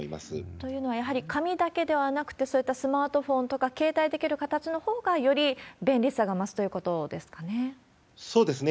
というのは、やはり紙だけではなくて、そういったスマートフォンとか携帯できる形のほうが、より便利さそうですね。